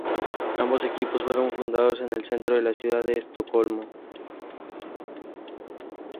Ambos equipos fueron fundados en el centro de la ciudad de Estocolmo.